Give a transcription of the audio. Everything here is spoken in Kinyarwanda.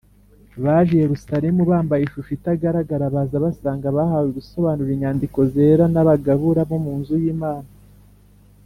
. Baje i Yerusalemu bambaye ishusho itagaragara, baza basanga abahawe gusobanura Inyandiko Zera, n’abagabura bo mu nzu y’Imana